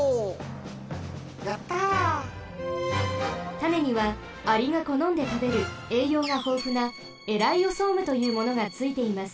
たねにはアリがこのんでたべるえいようがほうふなエライオソームというものがついています。